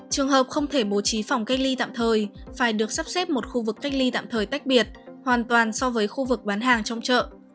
trường hợp không thể bố trí phòng cách ly tạm thời phải được sắp xếp một khu vực cách ly tạm thời tách biệt hoàn toàn so với khu vực bán hàng trong chợ